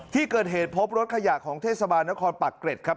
ที่เกิดเหตุพบรถขยะของเทศบาลนครปากเกร็ดครับ